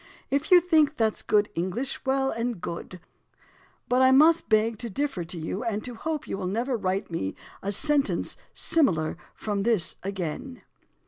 If you think that's good English, well and good; but I must beg to differ to you and to hope you will never write me a sentence similar from this again."